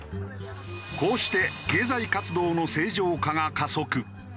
こうして経済活動の正常化が加速。